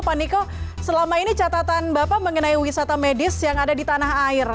pak niko selama ini catatan bapak mengenai wisata medis yang ada di tanah air